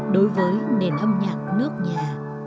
đối với nền âm nhạc nước nhà